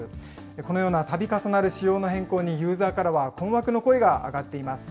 このようなたび重なる仕様の変更に、ユーザーからは困惑の声が上がっています。